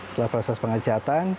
setelah proses pengecatan